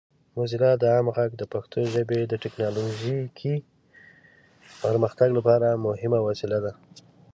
موزیلا عام غږ د پښتو ژبې د ټیکنالوجیکي پرمختګ لپاره مهمه وسیله ده.